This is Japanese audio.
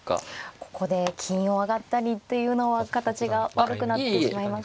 ここで金を上がったりっていうのは形が悪くなってしまいますか。